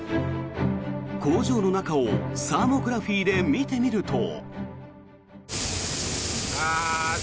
工場の中をサーモグラフィーで見てみると。